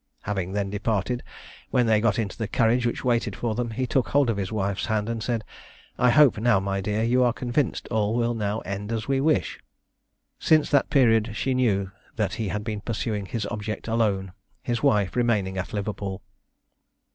Having then departed, when they got into the carriage which waited for them, he took hold of his wife's hand and said, "I hope, now, my dear, you are convinced all will now end as we wish." Since that period she knew that he had been pursuing his object alone, his wife remaining at Liverpool.